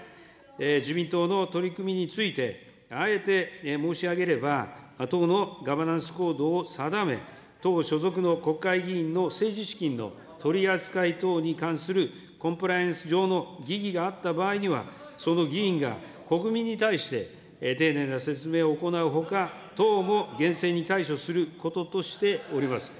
自民党の取り組みについて、あえて申し上げれば、党のガバナンス・コードを定め、党所属の国会議員の政治資金の取り扱い等に関するコンプライアンス上の疑義があった場合には、その議員が国民に対して丁寧な説明を行うほか、党も厳正に対処することとしております。